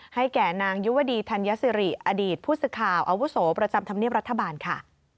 แก่นางยุวดีธัญสิริอดีตผู้สื่อข่าวอาวุโสประจำธรรมเนียบรัฐบาลค่ะ